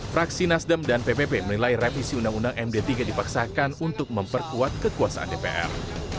fraksi nasdem dan ppp menilai revisi undang undang md tiga dipaksakan untuk memperkuat kekuasaan dpr